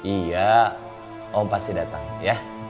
iya om pasti datang ya